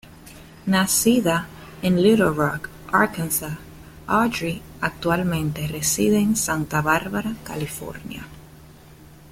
Nacida en Little Rock, Arkansas, Audrey actualmente reside en Santa Bárbara, California.